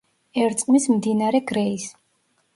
ერწყმის მდინარე გრეის.